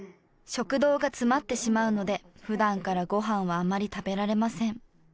食道が詰まってしまうので普段からご飯はあまり食べられません。